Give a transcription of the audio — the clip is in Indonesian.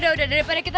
dibawa ke rumah sakit